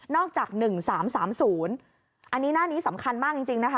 จาก๑๓๓๐อันนี้หน้านี้สำคัญมากจริงนะคะ